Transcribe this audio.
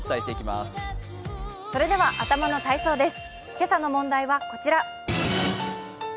それでは頭の体操です。